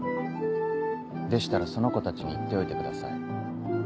でしたらその子たちに言っておいてください。